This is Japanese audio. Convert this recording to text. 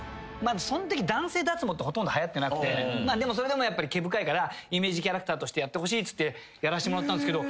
そんとき男性脱毛ってほとんどはやってなくてでもそれでもやっぱり毛深いからイメージキャラクターとしてやってほしいっつってやらせてもらったんですけど。